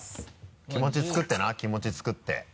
気持ち作ってな気持ち作って。